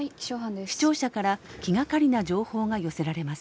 視聴者から気がかりな情報が寄せられます。